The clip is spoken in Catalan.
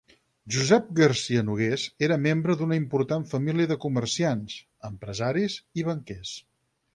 Josep Garriga-Nogués era membre d'una important família de comerciants, empresaris i banquers.